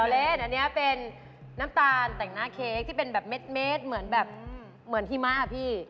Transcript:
เล่นอันนี้เป็นน้ำตาลแต่งหน้าเค้กที่เป็นแบบเม็ดเหมือนแบบเหมือนหิมะพี่